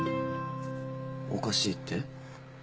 おかしいって？